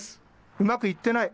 うまくいってない。